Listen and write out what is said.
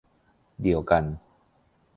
เดียวกัน